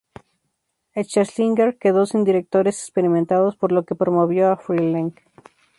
Schlesinger quedó sin directores experimentados por lo que promovió a Freleng.